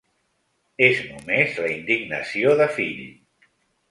És només la indignació de fill.